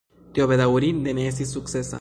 Tio bedaŭrinde ne estis sukcesa.